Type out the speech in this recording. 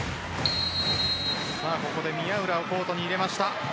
ここで宮浦をコートに入れました。